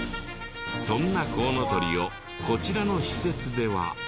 そんなコウノトリをこちらの施設では。